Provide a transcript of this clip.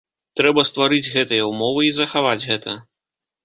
Трэба стварыць гэтыя ўмовы і захаваць гэта.